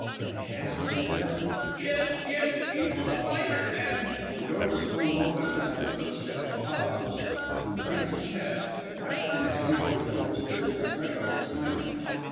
"Then Hest is The " "Yes! Yes! He's The Spider and " The door was flung open as the footsteps paused, and Francis Hest, wrapped in a heavy overcoat, stood on the threshold smiling.